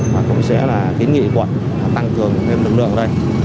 và cũng sẽ là kiến nghị quận tăng cường thêm lực lượng lên